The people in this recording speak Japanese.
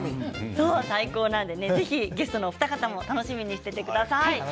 ぜひゲストのお二方も楽しみにしていてください。